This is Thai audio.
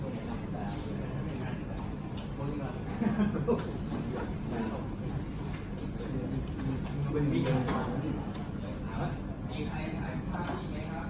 มีใครถ่ายคาดดีไหมครับ